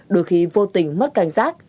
đôi khi vô tình mất cảnh giác